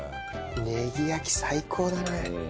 ねぎ焼き最高だね。